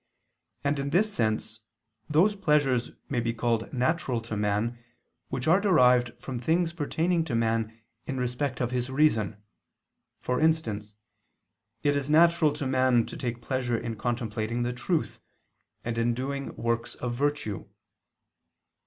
And in this sense, those pleasures may be called natural to man, which are derived from things pertaining to man in respect of his reason: for instance, it is natural to man to take pleasure in contemplating the truth and in doing works of virtue.